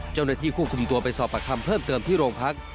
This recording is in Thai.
เจ้าหน้าที่ควบคุมตัวไปสอบประคำเพิ่มเติมที่โรงพัก